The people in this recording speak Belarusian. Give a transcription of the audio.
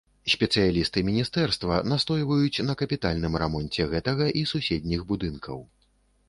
Спецыялісты міністэрства настойваюць на капітальным рамонце гэтага і суседніх будынкаў.